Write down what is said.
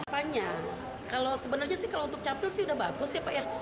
apanya kalau sebenarnya sih kalau untuk catatan sipil udah bagus ya pak ya